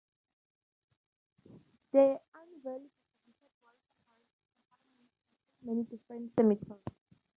The unevenly distributed well temperaments contain many different semitones.